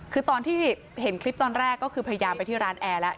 คือตอนที่เห็นคลิปตอนแรกก็คือพยายามไปที่ร้านแอร์แล้ว